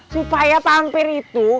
supaya vampir itu